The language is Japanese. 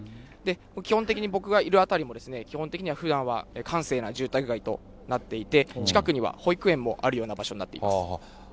基本的に僕がいる辺りも、基本的にはふだんは閑静な住宅街となっていて、近くには保育園もあるような場所になっています。